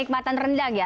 kenikmatan rendang ya